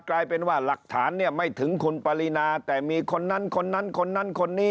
กลายเป็นว่าหลักฐานเนี่ยไม่ถึงคุณปรินาแต่มีคนนั้นคนนั้นคนนั้นคนนี้